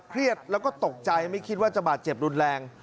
เครียดแล้วก็ตกใจไม่คิดว่าจะบาดเจ็บรุนแรง